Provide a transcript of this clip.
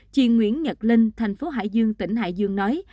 chị nguyễn nhật linh thành phố hải dương tỉnh hải dương nói